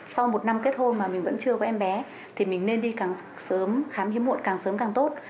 sau một năm kết hôn mà mình vẫn chưa có em bé thì mình nên đi càng sớm khám hiếm muộn càng sớm càng tốt